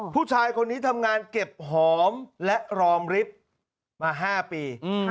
ผู้ชายคนนี้ทำงานเก็บหอมและรอมริฟท์มา๕ปี